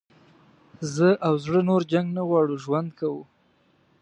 زه او زړه نور جنګ نه غواړو ژوند کوو.